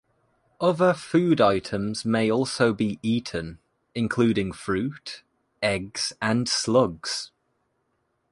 Other food items may also be eaten, including fruit, eggs and slugs.